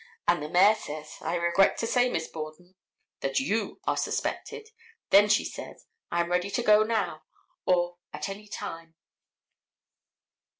and the mayor says, "I regret to say, Miss Borden, that you are suspected." Then she says, "I am ready to go now, or at any time."